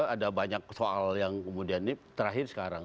ada banyak soal yang kemudian ini terakhir sekarang